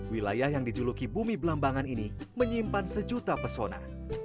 wilayah yang dijuluki bumi belambangan ini menyimpan sejuta pesona